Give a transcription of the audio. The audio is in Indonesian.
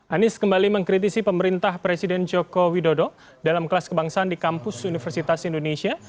anies kembali mengkritisi pemerintah presiden joko widodo dalam kelas kebangsaan di kampus universitas indonesia